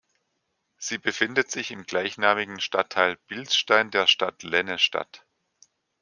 Sie befindet sich im gleichnamigen Stadtteil Bilstein der Stadt Lennestadt.